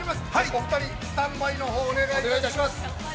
お二人スタンバイのほうお願いいたします。